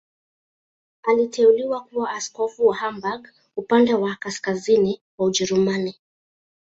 Aliteuliwa kuwa askofu wa Hamburg, upande wa kaskazini wa Ujerumani.